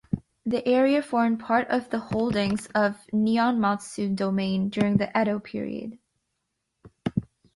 The area formed part of the holdings of Nihonmatsu Domain during the Edo period.